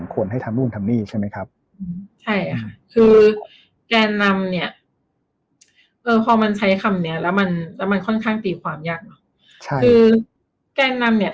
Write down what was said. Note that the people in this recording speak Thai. แก่นนำพอใช้คำนี้ค่อนข้างติวความยัง